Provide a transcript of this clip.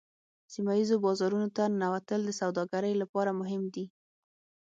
سیمه ایزو بازارونو ته ننوتل د سوداګرۍ لپاره مهم دي